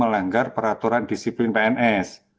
melanggar peraturan disiplin pns